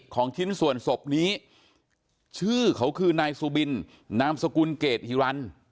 ชิ้นส่วนศพนี้ชื่อเขาคือนายสุบินนามสกุลเกรดฮิรัน